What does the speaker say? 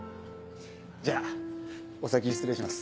じゃあお先失礼します。